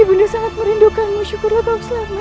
ibu nato sangat merindukanmu syukurlah kau selamat